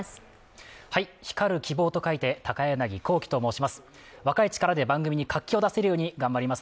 光る希望と書いて、高柳光希と申します。